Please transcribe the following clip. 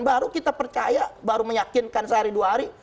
baru kita percaya baru meyakinkan sehari dua hari